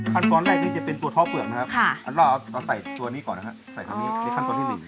ขั้นตอนแรกที่จะเป็นตัวท่อเผือกนะครับเราใส่ตัวนี้ก่อนนะครับใส่ตัวนี้นี่ขั้นตอนที่๑